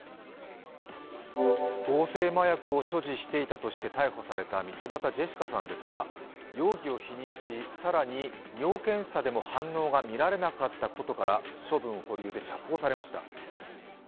合成麻薬を所持していたとして逮捕された道端ジェシカさんですが、容疑を否認し更に尿検査でも反応がみられなかったことから処分保留で釈放されました。